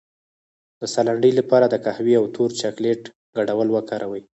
د ساه لنډۍ لپاره د قهوې او تور چاکلیټ ګډول وکاروئ